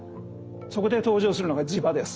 そこで登場するのが磁場です。